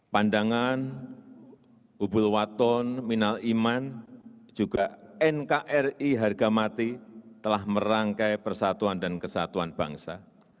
pandangan ubul waton minal iman juga nkri harga mati telah merangkai persatuan dan kesatuan bangsa